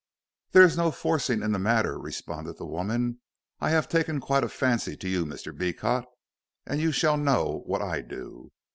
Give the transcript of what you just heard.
"There is no forcing in the matter," responded the woman. "I have taken quite a fancy to you, Mr. Beecot, and you shall know what I do."